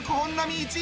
１位。